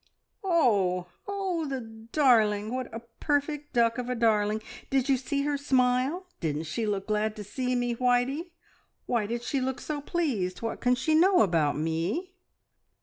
"Oh, oh, the d arling! What a perfect duck of a darling! Did you see her smile? Didn't she look glad to see me? Whitey, why did she look so pleased? What can she know about me?"